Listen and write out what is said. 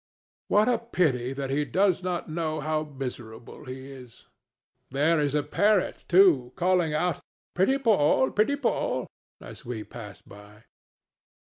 What a pity that he does not know how miserable he is! There is a parrot, too, calling out, "Pretty Poll! Pretty Poll!" as we pass by.